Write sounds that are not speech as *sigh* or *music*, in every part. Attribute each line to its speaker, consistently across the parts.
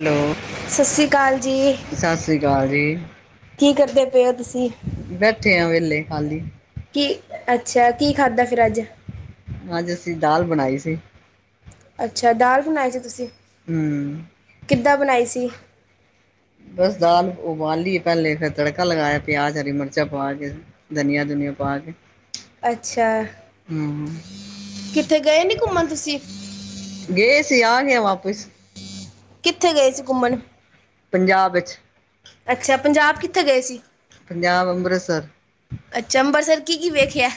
Speaker 1: Hello,
Speaker 2: ਸਤਿ ਸ੍ਰੀ ਅਕਾਲ ਜੀ।
Speaker 1: ਸਤਿ ਸ੍ਰੀ ਅਕਾਲ ਜੀ।
Speaker 2: ਕੀ ਕਰਦੇ ਪਏ ਹੋ ਤੁਸੀਂ?
Speaker 1: ਬੈਠੇ ਆ ਵੇਹਲੇ, ਖਾਲੀ।
Speaker 2: ਕੀ ਅੱਛਾ, ਕੀ ਖਾਧਾ ਫਿਰ ਅੱਜ?
Speaker 1: ਅੱਜ ਅਸੀਂ ਦਾਲ ਬਣਾਈ ਸੀ।
Speaker 2: ਅੱਛਾ, ਦਾਲ ਬਣਾਈ ਸੀੇ ਤੁਸੀਂ।
Speaker 1: ਹੂੰ
Speaker 2: ਕਿੱਦਾਂ ਬਣਾਈ ਸੀ?
Speaker 1: ਬਸ ਦਾਲ ਉਬਾਲੀਏ ਪਹਿਲੇ ਫਿਰ ਤੜਕਾ ਲਗਾਇਆ ਪਿਆਜ ਹਰੀ ਮਿਰਚਾਂ ਪਾ ਕੇ। ਦੁਨੀਆਂ-ਦੁਨੀਆਂ ਪਾ ਆ ਕੇ।
Speaker 2: ਅੱਛਾ।
Speaker 1: ਹੁਂ।
Speaker 2: ਕਿੱਥੇ ਗਏ ਨੀ ਘੁੰਮਣ ਤੁਸੀਂ?
Speaker 1: ਗਏ ਸੀ, ਆ ਗਿਆ ਵਾਪਿਸ।
Speaker 2: ਕਿੱਥੇ ਗਏ ਸੀ ਘੁੰਮਣ
Speaker 1: ਪੰਜਾਬ ਵਿੱਚ
Speaker 2: ਅੱਛਾ ਪੰਜਾਬ ਕਿੱਥੇ ਗਏ ਸੀ?
Speaker 1: ਪੰਜਾਬ ਅੰਮ੍ਰਿਤਸਰ
Speaker 2: ਅੱਛਾ ਅੰਬਰਸਰ ਕੀ ਕੀ ਵੇਖਿਆ?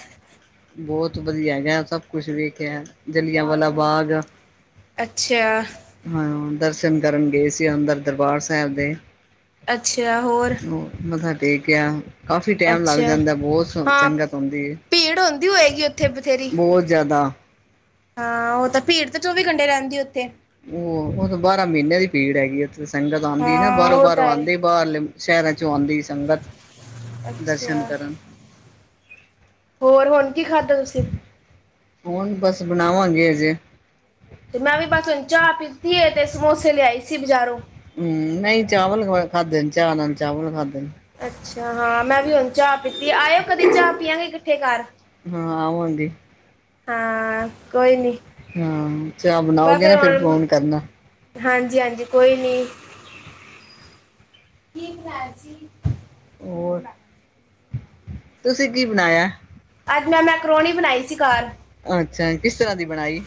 Speaker 1: ਬਹੁਤ ਵਧੀਆ ਹੈਗਾ ਸਭ ਕੁਛ ਵੇਖਿਆ ਜਲੀਆਂਵਾਲਾ ਬਾਗ
Speaker 2: ਅੱਛਾ
Speaker 1: ਹਾਂ ਦਰਸ਼ਨ ਕਰਨ ਗਏ ਸੀ ਅੰਦਰ ਦਰਬਾਰ ਸਾਹਿਬ ਦੇ
Speaker 2: ਅੱਛਾ ਹੋਰ
Speaker 1: ਮੱਥਾ ਟੇਕਿਆ ਕਾਫੀ ਟਾਈਮ ਲੱਗ
Speaker 2: ਅੱਛਾ
Speaker 1: ਜਾਂਦਾ ਬਹੁਤ
Speaker 2: ਹਾਂ
Speaker 1: ਸੰਗਤ ਹੁੰਦੀ
Speaker 2: ਭੀੜ
Speaker 1: ਹੈ
Speaker 2: ਹੁੰਦੀ ਹੋਏਗੀ ਉੱਥੇ ਬਥੇਰੀ ਹਾਂ ਉਹ ਤਾਂ ਭੀੜ ਤੇ ਚੌਵੀ ਘੰਟੇ ਰਹਿੰਦੀ ਏ ਉੱਥੇ
Speaker 1: ਉਹ ਉ ਬਾਰਾਂ ਮਹੀਨਿਆਂ ਦੀ ਭੀੜ ਹੈਗੀ ਉਥੇ ਸੰਗਤ ਆਉਂਦੀ ਨਾ
Speaker 2: ਹਾਂ
Speaker 1: ਬਾਹਰੋਂ
Speaker 2: ਉਹ ਤਾਂ
Speaker 1: ਬਾਹਰੋਂ ਆਉਂਦੇ
Speaker 2: ਹੈ
Speaker 1: ਬਾਹਰਲੇ ਸ਼ਹਿਰਾਂ ਚੋਂ ਆਉਂਦੀ ਸੰਗਤ ਦਰਸ਼ਨ
Speaker 2: ਅੱਛਾ
Speaker 1: ਕਰਨ
Speaker 2: ਹੋਰ ਹੁਣ ਕੀ ਖਾਧਾ ਤੁਸੀਂ
Speaker 1: ਹੁਣ ਬਸ ਬਣਾਵਾਂਗੇ ਹਜੇ
Speaker 2: ਤੇ ਮੈਂ ਵੀ ਬਸ ਹੁਣ ਚਾਹ ਪੀਤੀ ਹੈ ਤੇ ਸਮੋਸੇ ਲਿਆਈ ਸੀ ਬਜ਼ਾਰੋਂ
Speaker 1: ਹੂੰ ਨਹੀਂ ਚਾਵਲ ਖਾਧ ਨੇ ਚਾਅ ਨਾਲ ਚਾਵਲ ਖਾਧ ਨੇ
Speaker 2: ਅੱਛਾ ਹਾਂ ਮੈਂ ਵੀ ਹੁਣ ਚਾਹ ਪੀਤੀ ਆਇਓ ਕਦੇ ਚਾਹ ਪੀੀਆਂਗੇ ਇਕੱਠੇ ਘਰ
Speaker 1: ਹਾਂ ਆਾਂਵਾਂਗੇ
Speaker 2: ਹਾਂ ਕੋਈ ਨੀ
Speaker 1: ਹਾਂ ਚਾਹ
Speaker 2: ਬਸ
Speaker 1: ਬਣਾਓਗੇ ਨਾ ਫਿਰ
Speaker 2: ਹੁਣ
Speaker 1: ਫੋਨ ਕਰਨਾ
Speaker 2: ਹਾਂਜੀ ਹਾਂਜੀ ਕੋਈ ਨੀ ਕੀ ਬਣਾਇਆ ਸੀ?
Speaker 1: ਹੋਰ *unintelligible* ਤੁਸੀਂ ਕੀ ਬਣਾਇਆ
Speaker 2: ਅੱਜ ਮੈਂ ਮੈਕਰੋਨੀ ਬਣਾਈ ਸੀ ਘਰ
Speaker 1: ਅੱਛਾ ਕਿਸ ਤਰ੍ਹਾਂ ਦੀ ਬਣਾਈ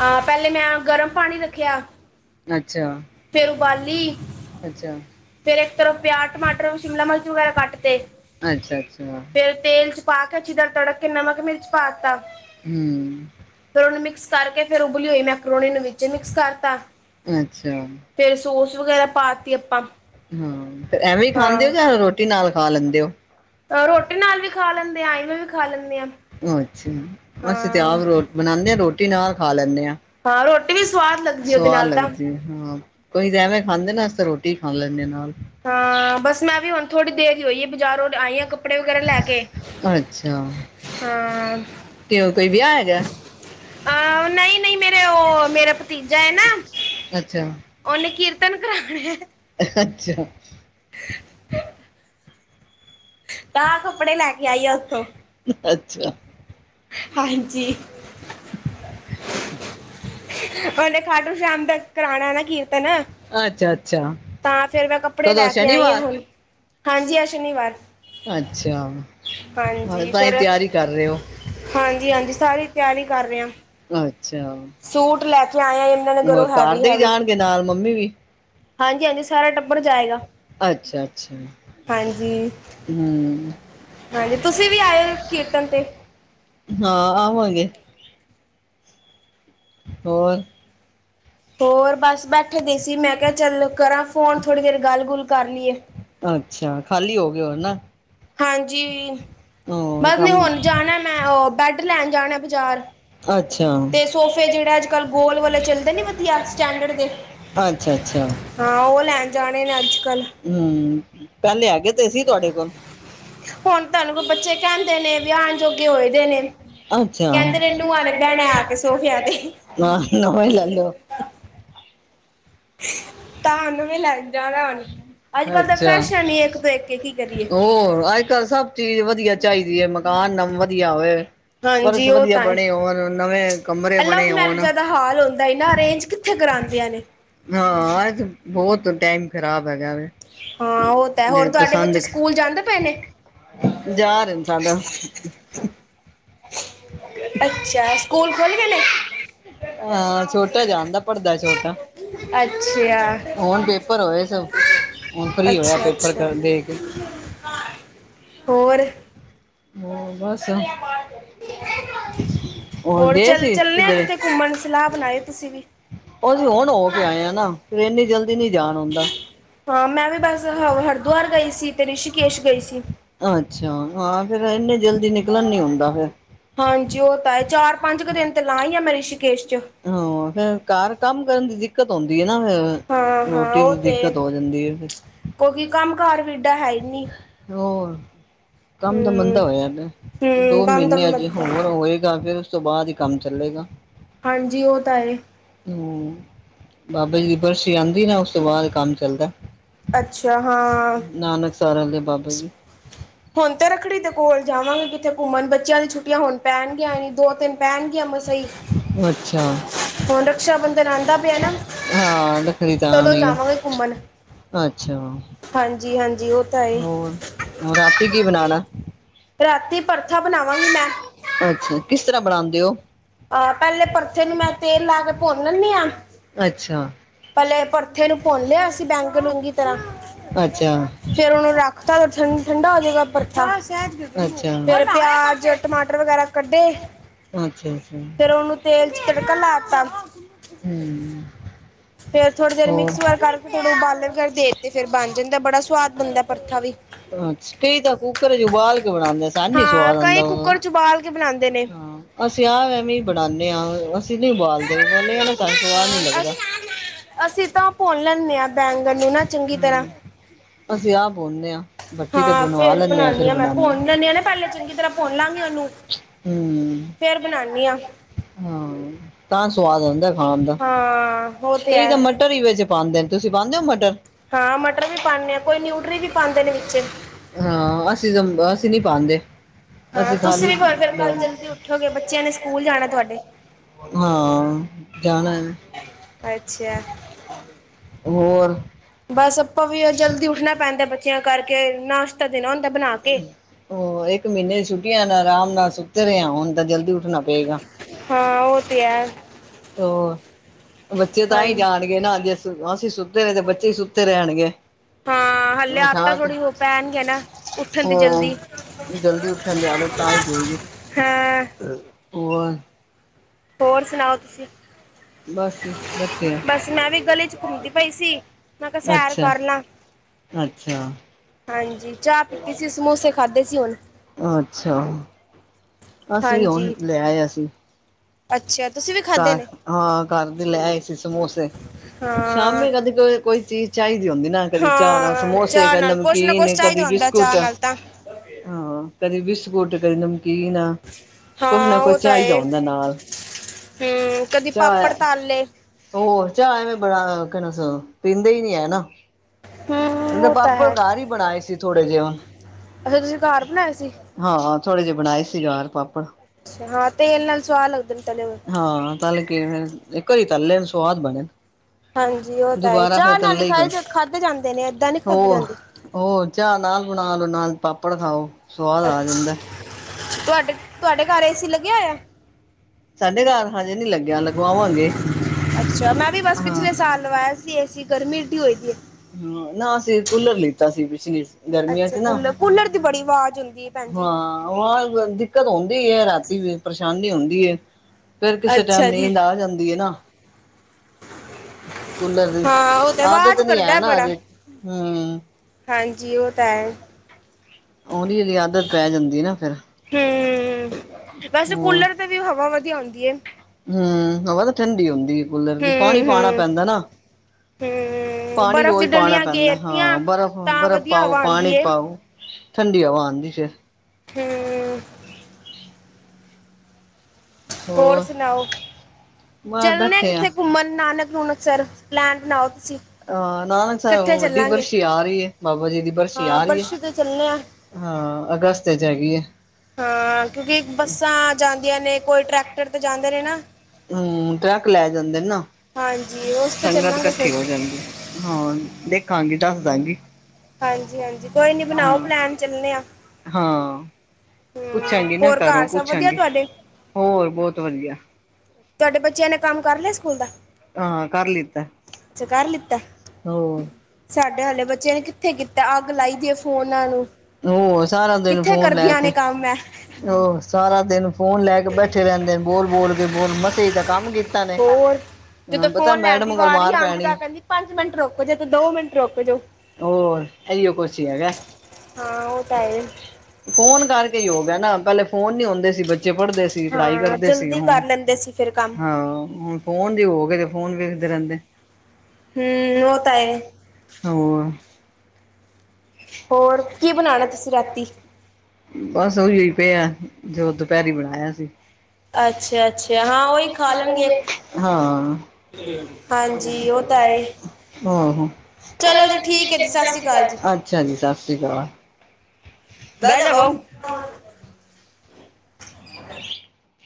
Speaker 2: ਹਾਂ ਪਹਿਲੇ ਮੈਂ ਗਰਮ ਪਾਣੀ ਰੱਖਿਆ
Speaker 1: ਅੱਛਾ
Speaker 2: ਫੇਰ ਉਬਾਲੀ
Speaker 1: ਅੱਛਾ
Speaker 2: ਫੇਰ ਇੱਕ ਤਰ੍ਹਾਂ ਪਿਆਜ ਟਮਾਟਰ ਸ਼ਿਮਲਾ ਮਿਰਚ ਵਗੈਰਾ ਕੱਟ ਤੇ
Speaker 1: ਅੱਛਾ ਅੱਛਾ
Speaker 2: ਫੇਰ ਤੇਲ ਚ ਪਾ ਕੇ ਅੱਛੀ ਦਰ ਤੜਕ ਕੇ ਨਮਕ ਮਿਰਚ ਪਾਤਾਾ
Speaker 1: ਹੂੰ
Speaker 2: ਫੇਰ ਉਹਨੂੰ ਮਿਕਸ ਕਰਕੇ ਫਿਰ ਉਬਲੀ ਹੋਈ ਮੈਂਕਰੋਨੀ ਨੂੰ ਉਸ ਵਿੱਚ ਮਿਕਸ ਕਰਤਾ
Speaker 1: ਅੱਛਾ
Speaker 2: ਫੇਰ ਸੋਸ ਵਗੈਰਾ ਪਾਤੀ ਆਪਾਂ
Speaker 1: ਹੂੰ ਐਵੇਂ ਖਾਂਦੇ ਓ ਜਾਂ
Speaker 2: ਹਾਂ
Speaker 1: ਰੋਟੀ ਨਾਲ ਖਾ ਲੈਂਦੇ ਓ
Speaker 2: ਰੋਟੀ ਨਾਲ ਵੀ ਖਾ ਲੈਂਦੇ ਆ ਆਈਵੇਂ ਵੀ ਖਾ ਲੈਂਦੇ ਆਾਂ
Speaker 1: ਅੱਛਾ ਅਸੀਂ ਤੇ ਆਪ ਬਣਾਉਦੇ ਹਾਂ ਰੋਟੀ ਨਾਲ ਖਾ ਲੈਂਦੇ ਹਾਂ।
Speaker 2: ਹਾਂ ਰੋਟੀ ਵੀ ਸਵਾਦ ਲੱਗਦੀ ਉਹਦੇ
Speaker 1: ਸਵਾਦ
Speaker 2: ਨਾਲ ਤਾਂ।
Speaker 1: ਲੱਗਦੀ ਹਾਂ ਕੋਈ ਦ ਐਵੇਂ ਖਾਂਦੇ ਨਾ ਅ ਤੇ ਰੋਟੀ ਖਾ ਲੈਂਦੇ ਨਾਲ
Speaker 2: ਹਾਂ ਬਸ ਮੈਂ ਵੀ ਹੁਣ ਥੋੜੀ ਦੇਰ ਹੀ ਹੋਈ ਆ ਬਜ਼ਾਰੋਂ ਆਈ ਹ। ਕੱਪੜੇ ਵਗੈਰਾ ਲੈ ਕੇ
Speaker 1: ਅੱਛਾ
Speaker 2: *unintelligible* ਹਾਂ।
Speaker 1: ਕਿਉਂ ਕੋਈ ਵਿਆਹ ਹੈਗਾ।
Speaker 2: ਉਹ ਨਹੀਂ ਨਹੀਂ ਮੇਰੇ ਉਹ ਮੇਰਾ ਭਤੀਜਾ ਹੈ। ਨਾ
Speaker 1: ਅੱਛਾ।
Speaker 2: ਉਹਹਨੇ ਕੀਰਤਨ ਕਰਾਉਣੇ
Speaker 1: ਅੱਛਾ
Speaker 2: *unintelligible* ਤਾਂ ਕੱਪੜੇ ਲੈ ਕੇ ਆਈ ਆ ਉੱਥੋਂ
Speaker 1: ਅੱਛਾ
Speaker 2: ਹਾਂਜੀ
Speaker 1: *inaudible*
Speaker 2: ਉਹਨੇ ਖਾਟੂ ਸ਼ਾਮ ਦਾ ਕਰਾਉਣਾ ਨਾ ਕੀਰਤਨ
Speaker 1: ਅੱਛਾ ਅੱਛਾ
Speaker 2: ਤਾਂ ਫੇਰ ਮੈਂ ਕੱਪੜੇ
Speaker 1: ਕਦੋਂ
Speaker 2: ਲੈ ਕੇ ਆਈ ਆਾਂ
Speaker 1: ਸ਼ਨੀਵਾਰ
Speaker 2: ਹੁਣ ਹਾਂਜੀ ਆ ਸ਼ਨੀਵਾਰ
Speaker 1: ਅੱਛਾ ਹਾਂ
Speaker 2: ਹਾਂਜੀ
Speaker 1: ਤਾਂ ਹੀ
Speaker 2: ਫਿਰ
Speaker 1: ਤਿਆਰੀ ਕਰ ਰਹੇ ਹੋ
Speaker 2: ਹਾਂਜੀ ਹਾਂਜੀ ਸਾਰੀ ਤਿਆਰੀ ਕਰ ਰਹੇ ਹਾ।
Speaker 1: ਅੱਛਾ।
Speaker 2: ਸੂਟ ਲੈ ਕੇ ਆਇਆ ਇਹਨਾਂ ਨੇ ਕਰੋ ਹੈਵੀ ਹੈਵੀ।
Speaker 1: ਤੇ ਨਾਲ ਮੰਮੀ ਵੀ
Speaker 2: ਹਾਂਜੀ ਹਾਂਜੀ ਸਾਰਾ ਟੱਬਰ ਜਾਏਗਾ।
Speaker 1: ਅੱਛਾ ਅੱਛਾ
Speaker 2: ਹਾਂਜੀ
Speaker 1: ਹਮ
Speaker 2: ਹਾਂਜੀ ਤੁਸੀਂ ਵੀ ਆਏ ਹੋ ਕੀਰਤਨ ਤੇ।
Speaker 1: ਹਾਂ ਆਵਾਂਗੇ ਹੋਰ
Speaker 2: ਹੋਰ ਬਸ ਬੈਠੇ ਦੇ ਸੀ ਮੈਂ ਕਿਹਾ ਚੱਲ ਕਰਾਂ ਫੋਨ ਥੋੜ੍ਹੀ ਦੇਰ ਗੱਲ ਗੁੱਲ ਕਰ ਲਈਏ
Speaker 1: ਅੱਛਾ ਖਾਲੀ ਹੋ ਗ ਉਹ ਹਨ ਨਾ
Speaker 2: ਹਾਂਜੀ
Speaker 1: ਹੋਰ
Speaker 2: ਬਸ ਨਹੀਂ
Speaker 1: ਕੰਮ
Speaker 2: ਹੁਣ ਜਾਣਾ ਮੈਂ ਉਹ ਬੈਡ ਲੈਣ ਜਾਣਾ ਬਾਜ਼ਾਰ
Speaker 1: ਅੱਛਾ
Speaker 2: ਅਤੇ ਸੋਫੇ ਜਿਹੜੇ ਅੱਜ ਕੱਲ੍ਹ ਗੋਲ ਵਾਲੇ ਚੱਲਦੇ ਨ ਵਧੀਆ ਸਟੈਂਡਰਡ ਦੇ
Speaker 1: ਅੱਛਾ ਅੱਛਾ
Speaker 2: ਹਾਂ ਉਹ ਲੈਣ ਜਾਣੇ ਨੇ ਅੱਜ ਕੱਲ੍ਹ
Speaker 1: ਹਮ ਪਹਿਲੇ ਆਗੇ ਤੇ ਅ ਸੀ ਤੁਹਾਡੇ ਕੋਲ
Speaker 2: ਹੁਣ ਤੁਹਾਨੂੰ ਕੋ ਬੱਚੇ ਕਹਿੰਦੇ ਨੇ ਵਿਆਹਉਣ ਜੋਗੇ ਹੋਏਦੇ ਨੇ
Speaker 1: ਅੱਛਾ
Speaker 2: ਕਹਿੰਦੇ ਨੇ ਨੂਆਂ ਨੇ ਬੈਹਣਾ ਆ ਕੇ ਸੋਫਿਆ ਤੇ
Speaker 1: ਹਾਂ ਨਵਾ ਲੈਲੋ
Speaker 2: ਤੁਾਨੂੰ ਵੀ ਜਾਣਾ ਹੁਣ ਅੱਜ ਕੱਲ੍ਹ ਦਾ
Speaker 1: ਅੱਛਾ
Speaker 2: ਫੈਸ਼ਨ ਹੀ ਇੱਕ ਤੋਂ ਇੱਕ ਕੀ ਕਰੀਏ
Speaker 1: ਹੋਰ ਸਭ ਚੀਜ਼ ਵਧੀਆ ਚਾਹੀਦੀ ਹੈ ਮਕਾਨ ਨ ਵਧੀਆ ਹੋਵੇ ਫਰਸ਼
Speaker 2: ਹਾਂਜੀ ਉਹ
Speaker 1: ਵਧੀਆ
Speaker 2: ਤਾਂ
Speaker 1: ਬਣੇ ਹੋਣ ਨਵੇਂ ਕਮਰੇ
Speaker 2: ਲਵ
Speaker 1: ਬਣੇ ਹੋਣ
Speaker 2: ਮੈਰਿਜਾਂ ਦਾ ਹਾਲ ਹੁੰਦਾ ਨਾ ਅਰੇਂਜ ਇੱਥੇ ਕਰਾਂਦੀਆਂ ਨੇ
Speaker 1: ਹਾਂ ਬਹੁਤ ਟਾਈਮ ਖ਼ਰਾਬ ਹੈਗਾ ਵ
Speaker 2: ਹਾਂ ਉਹ ਤਾਂ ਹੋਰ ਤੁਹਾਡੇ ਬੱਚੇ ਸਕੂਲ ਜਾਂਦੇ ਪਏ ਨੇ
Speaker 1: ਜਾ ਰਹੇ ਨੇ
Speaker 2: ਅੱਛਾ ਸਕੂਲ ਖੁੱਲ ਗਏ ਨੇ
Speaker 1: ਹਾਂ ਛੋਟਾ ਜਾਣਦਾ ਪਰਦਾ ਛੋਟਾ
Speaker 2: ਅੱਛਾ
Speaker 1: ਹੁਣ ਪੇਪਰ ਹੋਏ ਸ ਹੁਣ ਫਰੀ ਹੋਇਆ
Speaker 2: ਅੱਛਾ ਅੱਛਾ
Speaker 1: ਪੇਪਰ ਦੇ ਕੇ
Speaker 2: ਹੋਰ।
Speaker 1: ਹ ਬੱਸ।
Speaker 2: ਹੋਰ ਚੱਲ
Speaker 1: ਸੀ
Speaker 2: ਚੱਲਣੇ ਆ
Speaker 1: ਕਿਧਰੇ
Speaker 2: ਕਿਤੇ ਘੁੰਮਣ ਸਲਾਹ ਬਣਾਏ ਤੁਸੀਂ ਵੀ।
Speaker 1: ਉਹ ਅਸੀਂ ਹੁਣ ਹੋ ਕੇ ਆਏ ਆ ਨਾ ਫਿਰ ਇੰਨੀ ਜਲਦੀ ਨੀ ਜਾਣ ਹੁੰਦਾ।
Speaker 2: ਹਾਂ ਮੈਂ ਵੀ ਬਸ ਹਰਿਦੁਆਰ ਗਈ ਸੀ ਤੇ ਰਿਸ਼ੀਕੇਸ਼ ਗਈ ਸੀ।
Speaker 1: ਅੱਛਾ, ਹਾਂ ਫਿਰ ਇੰਨੇ ਜਲਦੀ ਨਿਕਲਣ ਨੀ ਹੁੰਂਦਾ ਫਿਰ
Speaker 2: ਹਾਂਜੀ ਉਹ ਤਾਂ ਹੈ ਚਾਰ ਪੰਜ ਕੁ ਦਿਨ ਤੇ ਲਾ ਆਈ ਆ ਮੈਂ ਰਿਸ਼ਕੇਸ਼ ਚ।
Speaker 1: ਹਾਂ ਫੇਰ ਘਰ ਕੰਮ ਕਰਨ ਦੀ ਦਿੱਕਤ ਆਉਂਦੀ ਹੈ ਨਾ ਫਿਰ
Speaker 2: ਹਾਂ-ਹਾਂ
Speaker 1: ਰੋਟੀ ਦੀ ਦਿੱਕਤ ਹੋ ਜਾਂਦੀ ਹੈ ਫਿ
Speaker 2: ਕਿੳਂਕਿ ਕੰਮ ਕਾਰ ਵੀ ਇਡਾ ਹੈ ਹੀ ਨਹੀਂ।
Speaker 1: *inaudible* ਕੰਮ ਦਾ ਮੰਦਾ ਹੋਇਆ ਪਿਐ, ਦੋ
Speaker 2: ਹੂੰ ਕੰਮ ਦਾ
Speaker 1: ਮਹੀਨੇ
Speaker 2: ਵੀ
Speaker 1: ਹਜੇ
Speaker 2: ਮੱਦਾ
Speaker 1: ਹੋਰ ਹੋਏਗਾ ਫੇਰ ਉਸ ਤੋਂ ਬਾਅਦ ਹੀ ਕੰਮ ਚੱਲੇਗਾ।
Speaker 2: ਹਾਂਜੀ ਉਹ ਤਾਂ ਹੈ।
Speaker 1: ਹਮ ਬਾਬਾ ਜੀ ਦੀ ਬਰਸੀ ਆਉਂਦੀ ਨਾ ਉਸ ਤੋਂ ਬਾਅਦ ਕੰਮ ਚੱਲਦਾ
Speaker 2: ਅੱਛਾ ਹਾਂ।
Speaker 1: ਨਾਨਕ ਸਾਰ ਦੇ ਬਾਬਾ ਜੀ
Speaker 2: ਹੁਣ ਤੇ ਰੱਖੜੀ ਦੇ ਕੋਲ ਜਾਵਾਂਗੇ ਕਿੱਥੇ ਘੁੰਮਣ ਬੱਚਿਆਂ ਦੀ ਛੁੱਟੀਆਂ ਹੁਣ ਪੈਣਗੀਆਂ ਨਹੀਂ ਦੋ -ਤਿੰਨ ਪੈਣਗੀਆਂ ਮਸਾ ਹੀ
Speaker 1: ਅੱਛਾ
Speaker 2: ਹੁਣ ਰਕਸ਼ਾ ਬੰਧਨ ਆਉਂਦਾ ਪਿਆ ਨਾ,
Speaker 1: ਹਾਂ ਲੱਕੜੀ ਤਾਂ
Speaker 2: ਕਦੋਂ
Speaker 1: ਆਣੀ ਆ
Speaker 2: ਜਾਵਾਂਗੇ ਘੁੰਮਣ
Speaker 1: ਅੱਛਾ।
Speaker 2: ਹਾਂਜੀ -ਹਾਂਜੀ ਉਹ ਤਾਂ ਹੈਏ
Speaker 1: ਹੁਣ ਰਾਤੀ ਕੀ ਬਣਾਣੈ।
Speaker 2: ਰਾਤੀ ਭਰਥਾ ਬਣਾਵਾਂਗੀ ਮੈਂ।
Speaker 1: ਅੱਛਾ, ਕਿਸ ਤਰ੍ਹਾਂ ਬਣਾਉਂਦੇ ਹੋ।
Speaker 2: ਆ, ਪਹਿਲੇ ਭਰਥੇ ਨੂੰ ਮੈਂ ਤੇਲ ਲਾ ਕੇ ਭੁੰਨ ਲੈਂਨੀ ਹਾਂ।
Speaker 1: ਅੱਛਾ।
Speaker 2: ਪਹਿਲੇ ਭਰਥੇ ਨੂੰ ਭੁੰਨ ਲਿਆ ਸੀ ਬੈਂਗਣ ਨੂੰ ਚੰਗੀ ਤਰ੍ਹਾਂ,
Speaker 1: ਅੱਛਾ
Speaker 2: ਫੇਰ ਉਹਨੂੰ ਰੱਖ ਚਲੋ ਠਡ ਠੰਡਾ ਹੋ ਜਏਗਾ ਭਰਥਾ
Speaker 1: ਅੱਛਾ
Speaker 2: ਤੇ ਪਿਆਜ, ਟਮਾਟਰ ਵਗੈਰਾ ਕੱਢੇ
Speaker 1: ਅੱਛਾ ਅੱਛਾ
Speaker 2: ਫੇਰ ਉਹਨੂੰ ਤੇਲ ਚ ਤੜਕਾ ਲਾਤਾ।
Speaker 1: ਹੂੰ।
Speaker 2: ਫੇਰ ਥੋੜੀ ਦੇਰ
Speaker 1: ਹੋਰ
Speaker 2: ਮਿਕਸ ਵਰ ਕਰਕੇ ਥੋੜੇ ੳਬਾਲੇ ਵਗੈਰੇ ਦੇ ਤੇ ਫੇਰ ਬਣ ਜਾਂਦਾ ਬੜਾ ਸਵਾਦ ਬਣਦਾ ਭਰਥਾ ਵੀ।
Speaker 1: ਅੱਛ, ਕਈ ਤਾਂ ਕੁੂੱਕਰ ਚ ਉਬਾਲ ਕੇ ਬਣਾਉਂਦੇ ਸਨ ਨੀ
Speaker 2: ਹਾਂ
Speaker 1: ਸਵਾਦ
Speaker 2: ਕਈ
Speaker 1: ਆਉਦਾ ੳਦਾ।
Speaker 2: ਕੁੱਕਰ 'ਚ ਉਬਾਲ ਬਣਾਉਂਦੇ ਨੇ
Speaker 1: ਹ ਅਸੀਂ ਆਪ ਐਵੇਂ ਹੀ ਬਣਾਨੇ ਹਾਂ, ਅਸੀਂ ਨੀ ਉਬਾਲਦੇ ਉਬਾਲਿਆ ਦਾ ਸਾਨੂੰ ਸਵਾਦ ਨੀ
Speaker 2: ਹਾਂ
Speaker 1: ਲੱਗਦਾ।
Speaker 2: ਅਸ- ਅਸੀਂ ਤਾਂ ਭੁੰਨ ਲੈਂਨੇ ਹਾਂ ਬੈਂਗਨ ਨੂੰ ਨਾ ਚੰਗੀ ਤਰ੍ਹਾਂ।
Speaker 1: ਅਸੀਂ ਆਪ ਭੁਨਨੇ ਹਾਂ। ਭੱਠੀ ਤੇ
Speaker 2: ਹਾਂ
Speaker 1: ਬਣਵਾ
Speaker 2: ਫੇਰ
Speaker 1: ਲੈਂਦੇ
Speaker 2: ਬਣਾਨੀ
Speaker 1: ਫਿਰ
Speaker 2: ਹਾਂ ਮੈਂ
Speaker 1: ਬਣਾਉਦੇ
Speaker 2: ਭੁਨ ਲੈਂਨੀ ਹਾਂ ਨਾ ਪਹਿਲੇ ਚੰਗੀ ਤਰ੍ਹਾਂ ਭੁਨ ਲਾਂਗੀ ਉਹਨੂੰ
Speaker 1: ਹੂੰ।
Speaker 2: ਫੇਰ ਬਣਾਨੀ ਹਾਂ।
Speaker 1: ਹਾਂ ਤਾਂ ਸਵਾਦ ਆਉਂਦਾ ਖਾਣ ਦਾ।
Speaker 2: ਹਾਂ ਉਹ ਤੇ
Speaker 1: ਕਈ ਤਾਂ
Speaker 2: ਹੈ
Speaker 1: ਮਟਰ ਹੀ ਵਿੱਚ ਪਾਉਂਦੇ ਨੇ ਤੁਸੀਂ ਪਾਉਂਦੇ ਹੋ ਮਟਰ
Speaker 2: ਹਾਂ ਮਟਰ ਵੀ ਪਾਉਂਦੇ ਆ ਕੋਈ ਨਿਊਟਰੀ ਵੀ ਪਾਉਂਦੇ ਨੇ ਵਿੱਚ
Speaker 1: ਹਾਂ ਅਸੀਂ, ਅਸੀਂ ਨੀ ਪਾਂਦੇ।
Speaker 2: ਹਾਂ ਤੁਸੀਂ ਵੀ ਫ ਫਿਰ ਕੱਲ ਜਲਦੀ ਉੱਠੋਗੇ ਬੱਚਿਆਂ ਨੇ ਸਕੂਲ ਜਾਣਾ ਤੁਹਾਡੇ
Speaker 1: ਹਾਂ ਜਾਣੈ।
Speaker 2: ਅੱਛਾ।
Speaker 1: ਹੋਰ।
Speaker 2: ਬਸ ਆਪਾਂ ਵੀ ਜਲਦੀ ਉੱਠਣਾ ਪੈਂਦਾ ਬੱਚਿਆਂ ਕਰਕੇ ਨਾਸ਼ ਦੇਣਾ ਹੁੰਦਾ ਬਣਾ ਕੇ
Speaker 1: ਹੋ, ਇੱਕ ਮਹੀਨੇ ਦਿਆਂ ਛੁੱਟੀਆਂ ਹਨ ਆਰਾਮ ਨਾਲ ਸੁੱਤੇ ਰਹੇ ਆ ਹੁਣ ਤਾਂ ਜਲਦੀ ਉੱਠਣਾ ਪਏਗਾ।
Speaker 2: ਹਾਂ ਉਹ ਤੇ ਹੈ।
Speaker 1: ਉਹ ਬੱਚੇ ਤਾਂ ਹੀ
Speaker 2: ਹਾਂਜੀ
Speaker 1: ਜਾਣਗੇ ਨਾ ਅੱਜੇ ਅਸੀਂ ਸੁੱਤੇ ਨੇ ਤੇ ਬੱਚੇ ਹੀ ਸੁੱਤੇ ਰਹਿਣਗੇ
Speaker 2: ਹਾਂ। ਹ ਹਾਲੇ ਆਦਤਾ
Speaker 1: ਉਠਾ ਕੇ
Speaker 2: ਥੋੜੀ ਹੋ ਪੈਣਗੇ ਨਾ ਉੱਠਣ ਦੀ
Speaker 1: ਉਹ
Speaker 2: ਜਲਦੀ ਹਾਂ
Speaker 1: ਹੋ
Speaker 2: ਹੋਰ ਸੁਣਾਓ ਤੁਸੀਂ
Speaker 1: ਬਸ ਬੈਠੇ ਆ
Speaker 2: ਬਸ ਮੈਂ ਵੀ ਗਲੀ ਚ ਘੁੰਮਦੀ ਪਈ ਸੀ ਮੈਂ ਕਿਹਾ ਸੈਰ
Speaker 1: ਅੱਛਾ।
Speaker 2: ਕਰ ਲਾਂ
Speaker 1: ਅੱਛਾ।
Speaker 2: ਹਾਂਜੀ, ਚਾਹ ਪੀਤੀ ਸੀ, ਸਮੋਸੇ ਖਾਧੇ ਸੀ ਹੁਣ।
Speaker 1: ਅੱਛਾ, ਅਸੀਂ ਵੀ ਹੁਣ
Speaker 2: ਹਾਂਜੀ
Speaker 1: ਲੈਇਆ ਸੀ
Speaker 2: ਅੱਛਾ, ਤੁਸੀਂ ਵੀ ਖਾਧੇ
Speaker 1: ਘਰ
Speaker 2: ਨੇ
Speaker 1: ਹਾਂ ਘਰ ਦੇ ਲੈ ਆਏ ਸੀ, ਸਮੋਸੇ
Speaker 2: ਹਾਂ
Speaker 1: ਸ਼ਾਮੀ ਕਦੇ ਕ ਕੋਈ ਚੀਜ਼ ਚਾਹੀਦੀ ਹੁੰਦੀ ਨਾ ਕਦੇ ਚਾਰ
Speaker 2: ਹਾਂ
Speaker 1: ਸਮੋਸੇ
Speaker 2: ਚਾਹ
Speaker 1: ਕਦੇ
Speaker 2: ਨਾਲ ਕੁਛ ਨਾ ਕੁਛ
Speaker 1: ਨਮਕੀਨ ਕਦੇ
Speaker 2: ਚਾਹੀਦਾ ਹੁੰਦਾ
Speaker 1: ਬਿਸਕੁਟ।
Speaker 2: ਚਾਹ ਨਾਲ ਤਾਂ
Speaker 1: ਹਾਂ ਕਦੇ ਬਿਸਕੁਟ ਕਦੇ ਨਮਕੀਨ ਆ। ਕੁਛ ਨਾ
Speaker 2: ਹਾਂ ਉਹ
Speaker 1: ਕੁਛ
Speaker 2: ਤਾਂ
Speaker 1: ਚਾਹੀਦਾ
Speaker 2: ਏ
Speaker 1: ਹੁੰਦਾ ਨਾਲ
Speaker 2: ਹੂੰ ਕਦੀ ਪਾਪੜ ਤਲ ਲਏ।
Speaker 1: ਹੋਰ ਚਾ ਐਵੇਂ ਬੜਾ ਕਹ ਪੀਂਦੇ ਹੀ ਨੀ ਹੈ ਨਾ।
Speaker 2: ਹੂੰ
Speaker 1: ਕਹਿੰਦੇ
Speaker 2: ਉਹ ਤਾਂ
Speaker 1: ਪਾਪੜ
Speaker 2: ਹੈ
Speaker 1: ਘਰ ਹੀ ਬਣਾਏ ਸੀ ਥੋੜੇ ਜਿਹੇ
Speaker 2: ਅੱਛਾ ਤੁਸੀਂ ਘਰ ਬਣਾਏ ਸੀ।
Speaker 1: ਹਾਂ ਥੋੜੇ ਜਿਹੇ ਬਣਾਏ ਸੀ ਘਰ ਪਾਪੜ
Speaker 2: ਅੱਛਾ ਹਾਂ ਤੇਲ ਨਾਲ ਸਵਾਹ ਲੱਗਦੇ ਨੇ ਤਲੇ
Speaker 1: ਹਾਂ ਤੱਲ ਕੇ ਇੱਕ ਘਰੇ ਤੱਲੇ ਲਏ ਸਵਾਦ ਬਣੇ
Speaker 2: ਹਾਂਜੀ ਉਹ ਤਾਂ ਹੈ
Speaker 1: ਦੁਬਾਰਾ ਫਿਰ
Speaker 2: ਚਾਹ ਨਾਲ ਹੀ
Speaker 1: ਤਲੇ ਕੋਣ
Speaker 2: ਖਾ ਖਾਧ ਜਾਂਦੇ ਨੇ ਏਦਾਂ ਨੀ ਖਾਦੇ ਜਾਂਦੇ
Speaker 1: ਹੋਰ ਚਾਹ ਨਾਲ ਬਣਾ ਲੋ ਨਾਲ ਪਾਪੜ ਖਾਓ ਸਵਾਦ ਆ
Speaker 2: ਅੱਛ
Speaker 1: ਜਾਂਦਾ
Speaker 2: ਤੁਹਾਡੇ ਤੁਹਾਡੇ ਘਰ ਏ ਸੀ ਲੱਗਿਆ ਆ
Speaker 1: ਸਾਡੇ ਘਰ ਹਜੇ ਨਹੀਂ ਲੱਗਿਆ ਲਗਵਾਵਾਂਗੇ
Speaker 2: ਅੱਛਾ ਮੈਂ ਵੀ ਬਸ
Speaker 1: ਹਾਂ ਹਾਂ
Speaker 2: ਪਿਛਲੇ ਸਾਲ ਲਵਾਇਆ ਐਸੀ ਗਰਮੀ ਏਡੀ ਹੋ ਦੀ ਹੈ
Speaker 1: ਹਮ ਨਾ ਅਸੀਂ ਕੂਲਰ ਲਿੱਤਾ ਸੀ ਪਿਛਲੀ ਗਰਮੀਆਂ
Speaker 2: ਅੱਛਾ
Speaker 1: ਚ ਨਾ
Speaker 2: ਕੂਲਰ ਕੂਲਰ ਦੀ ਬੜੀ ਆਵਾਜ਼ ਹੁੰਦੀ ਹੈ ਭੈਣ ਜੀ
Speaker 1: ਹਾਂ ਦਿੱਕਤ ਹੁੰਦੀ ਹੈ ਰਾਤੀ ਵੀ ਪਰੇਸ਼ਾਨੀ ਹੁੰਦੀ ਹੈ ਫੇਰ ਕਿਸੇ ਟਾਈਮ
Speaker 2: ਅੱਛਾ ਜੀ
Speaker 1: ਨੀਂਦ ਆ ਜਾਂਦੀ ਹੈ ਨਾ ਕੂਲਰ ਦੀ
Speaker 2: ਹਾਂ ਉਹ ਤੇ
Speaker 1: ਆਦਤ
Speaker 2: ਆਵਾਜ਼
Speaker 1: ਨੀ ਹੈ
Speaker 2: ਕਰਦਾ
Speaker 1: ਨਾ
Speaker 2: ਬੜਾ
Speaker 1: ਅਜੇ ਹਮ
Speaker 2: ਹਾਂਜੀ ਉਹ ਤਾਂ ਹੈ
Speaker 1: ਉਹਦੀ ਉਹਦੀ ਆਦਤ ਪੈ ਜਾਂਦੀ ਨਾ ਫੇਰ ਹੋਰ
Speaker 2: ਤਾਂ ਵੀ ਹਵਾ ਵਧੀਆ ਹੁੰਦੀ ਹੈ
Speaker 1: ਹਮ ਹ ਤੇ ਠੰਡੀ ਹੁੰਦੀ ਕੂਲਰ ਦੀ ਪਾਣੀ
Speaker 2: ਹੂੰ-ਹੂੰ,
Speaker 1: ਪਾਉਣਾ
Speaker 2: ਹੂੰ
Speaker 1: ਪੈਂਦਾ ਨਾ
Speaker 2: ਹੂੰ,
Speaker 1: ਪਾਣੀ
Speaker 2: ਬਰਫ਼ ਦੀ
Speaker 1: ਰੋਜ਼ ਪਾਉਣਾ
Speaker 2: ਡਲੀਆਂ
Speaker 1: ਪੈਂਦਾ
Speaker 2: ਗੇਰਤੀਆਂ
Speaker 1: ਹਾਂ ਬਰਫ਼
Speaker 2: ਤਾਂ
Speaker 1: ਬਰਫ਼
Speaker 2: ਵਧੀਆ
Speaker 1: ਪਾਓ
Speaker 2: ਹਵਾ ਆਂਦੀ
Speaker 1: ਪਾਣੀ
Speaker 2: ਏ,
Speaker 1: ਪਾਓ ਠੰਡੀ ਹਵਾ ਆਉਂਦੀ ਫਿਰ
Speaker 2: *inaudible*
Speaker 1: *inaudible*
Speaker 2: ਹੋਰ ਸੁਣਾਓ
Speaker 1: ਬਸ
Speaker 2: ਚੱਲਣੇ ਆ
Speaker 1: ਬੈਠੇ
Speaker 2: ਕਿੱਥੇ ਘੁੰਮਣ ਨਾਨਕ ਨੂਨਕ ਸਰ ਪਲੈਨ ਬਣਾਓ ਤੁਸੀਂ
Speaker 1: ਅਹ ਨਾਨਕ ਸਾਹਿਬ
Speaker 2: ਇਕੱਠੇ
Speaker 1: ਵੱਡੀ
Speaker 2: ਚੱਲਾਂਗੇ,
Speaker 1: ਬਰਸ਼ੀ ਆ ਰਹੀ ਹੈ ਬਾਬਾ ਜੀ ਦੀ ਬਰਸ਼ੀ
Speaker 2: ਹਾਂ
Speaker 1: ਆ ਰਹੀ ਹੈ
Speaker 2: ਬਰਸ਼ੂ ਤੇ ਚੱਲਣੇ ਆ।
Speaker 1: ਹਾਂ ਅਗਸਤ ਚ ਹੈਗੀ ਆ
Speaker 2: ਹਾਂ ਕਿਉਂਕਿ ਬੱਸਾਂ ਜਾਂਦੀਆਂ ਨੇ ਕੋਈ ਟਰੈਕਟਰ ਤੇ ਜਾਂਦੇ ਨੇ ਨਾ
Speaker 1: ਹਮ ਤੇ
Speaker 2: ਹਾਂਜੀ ਉਸ ਤੋਂ
Speaker 1: ਸੰਗਤ
Speaker 2: ਚੱਲਾਂਗੇ ਫੇਰ
Speaker 1: ਇਕੱਠੀ ਹੋ ਜਾਂਦੀ ਹਾਂ ਦੇਖਾਂਗੀ ਦੱਸ ਦਾਂਗੀ
Speaker 2: ਹਾਂਜੀ ਹਾਂਜੀ ਕੋਈ ਨੀ ਬਣਾਓ
Speaker 1: ਹਾਂ
Speaker 2: ਪਲੈਨ ਚੱਲੇ ਹਾਂ
Speaker 1: ਹਾਂ ਪੁੱਛਾਂਗੀ ਨਾ ਕਰੋਂ
Speaker 2: ਵਧੀਆ
Speaker 1: ਪੁੱਛਾਂਗੀ
Speaker 2: ਤੁਹਾਡੇ?
Speaker 1: ਹੋਰ ਬਹੁਤ ਵਧੀਆ
Speaker 2: ਤੁਹਾਡੇ ਬੱਚਿਆਂ ਨੇ ਕੰਮ ਕਰ ਲਿਆ ਸਕੂਲ ਦਾ
Speaker 1: ਹਾਂ ਕਰ ਲੀਤਾ
Speaker 2: ਅੱਛਾ ਕਰ ਲਿੱਤਾ। ਸਾਡੇ ਹਾਲੇ ਬੱਚਿਆਂ ਨੇ ਕਿੱਥੇ ਕੀਤਾ, ਅੱਗ ਲਾਈ ਦੀ ਆ ਫੋਨਾ ਨੂੰ।
Speaker 1: ਹੋਰ ਸਾਰਾ ਦਿਨ
Speaker 2: ਕਿੱਥੇ
Speaker 1: ਫੋਨ ਲੈ
Speaker 2: ਕਰਦੀਆਂ
Speaker 1: ਕੇ
Speaker 2: ਨੇ ਕੰਮ ਐ।
Speaker 1: ਉਹ, ਸਾਰਾ ਦਿਨ ਫੋਨ ਲੈ ਕੇ ਬੈਠੇ ਰਹਿੰਦੇ ਨੇ ਬੋਲ ਬੋਲ ਕੇ ਬੋਲ ਮਸੀ ਤਾਂ ਕੰਮ ਕੀਤਾ ਨੇ
Speaker 2: ਹੋਰ ਜਦੋਂ
Speaker 1: ਹਮ ਪਤਾ
Speaker 2: ਫੋਨ ਲੈਣ ਦੀ
Speaker 1: ਮੈਡਮ ਕੋਲ
Speaker 2: ਵਾਰੀ
Speaker 1: ਮਾਰ
Speaker 2: ਆਂਦੀ
Speaker 1: ਪੈਣੀ
Speaker 2: ਤਾਂ ਕਹਿੰਦੀ ਪੰਜ ਮਿੰਟ ਰੋਕ ਜੇ ਤੇ ਦੋ ਮਿੰਟ ਰੋਕ ਜਾ
Speaker 1: ਹੋਰ ਇਹੀਓ ਕੁਛ ਹੀ ਹੈਗਾ
Speaker 2: ਹਾਂ ਉਹ ਤਾਂ ਹੈ
Speaker 1: ਫੋਨ ਕਰਕੇ ਯੋਗ ਹੈ ਨਾ ਪਹਿਲੇ ਫੋਨ ਨੀ ਹੁੰਦੇ ਸੀ ਬੇ ਬੱਚੇ ਪੜ੍ਹਦੇ ਸੀ ਪੜ੍ਹਾਈ
Speaker 2: ਹਾਂ
Speaker 1: ਕਰਦੇ ਸੀ
Speaker 2: ਜਲਦੀ
Speaker 1: ਹੁਣ
Speaker 2: ਕਰ ਲੈਂਦੇ ਸੀ ਫਿਰ ਕੰਮ
Speaker 1: ਹਾਂ ਫੋਨ ਦੀ ਹੋ ਗ ਤੇ ਫੋਨ ਵੇਖਦੇ ਰਹਿੰਦੇ
Speaker 2: ਹਮ ਉਹ ਤਾਂ ਹੈ
Speaker 1: ਹੋਰ
Speaker 2: ਹੋਰ ਕੀ ਬਣਾਉਣਾ ਤੁਸੀਂ ਰਾਤੀ
Speaker 1: ਬਸ ਉਹੀ ਹੀ ਪਏ ਆ, ਜੋ ਦੁਪਹਿਰੀ ਬਣਾਇਆ ਸੀ।
Speaker 2: ਅੱਛਾ ਅੱਛਾ ਹਾਂ ਉਹੀ ਖਾ ਲੈਣਗੇ
Speaker 1: ਹਾਂ, ਠੀਕ।
Speaker 2: ਹਾਂਜੀ ਉਹ ਤਾਂ ਹੈ
Speaker 1: ਆਹੋ, ਚਲੋ ਠੀਕ ਐ, ਸਤਿ ਸ੍ਰੀ ਅਕਾਲ ਜੀ। ਅੱਛਾ ਜੀ ਸਤਿ ਸ਼੍ਰੀ ਅਕਾਲ, ਬਹਿ ਜਾ ਬਊ। *unintelligible*